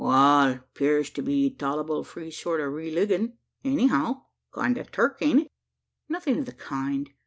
"Wal, it 'pears to be a tol'able free sort o' rileegun anyhow. Kind o' Turk, aint it?" "Nothing of the kind.